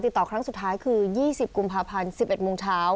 ครั้งสุดท้ายคือ๒๐กุมภาพันธ์๑๑โมงเช้า